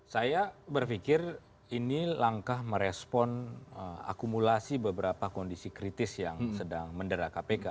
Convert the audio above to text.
saya berpikir ini langkah merespon akumulasi beberapa kondisi kritis yang sedang mendera kpk